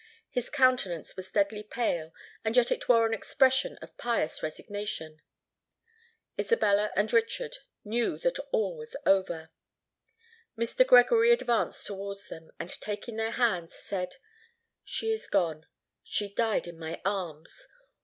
His countenance was deadly pale; and yet it wore an expression of pious resignation. Isabella and Richard knew that all was over. Mr. Gregory advanced towards them, and taking their hands, said, "She is gone—she died in my arms!